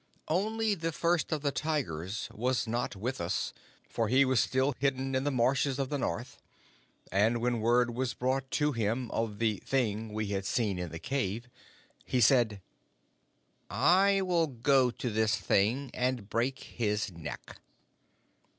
"Only the First of the Tigers was not with us, for he was still hidden in the marshes of the North, and when word was brought to him of the Thing we had seen in the cave, he said: 'I will go to this Thing and break his neck.'